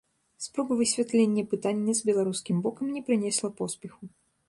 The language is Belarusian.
Спроба высвятлення пытання з беларускім бокам не прынесла поспеху.